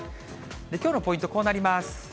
きょうのポイントはこうなります。